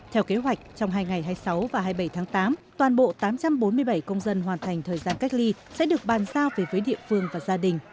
theo kế hoạch trong hai ngày hai mươi sáu và hai mươi bảy tháng tám toàn bộ tám trăm bốn mươi bảy công dân hoàn thành thời gian cách ly sẽ được bàn giao về với địa phương và gia đình